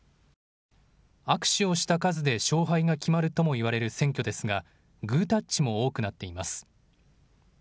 握手をした数で勝敗が決まるとも言われる選挙ですがグータッチも多くなっています。